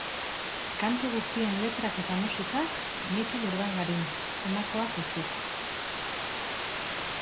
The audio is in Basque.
Kantu guztien letrak eta musikak: Mikel Urdangarin, honakoak ezik.